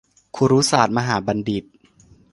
คุรุศาสตรมหาบัณฑิต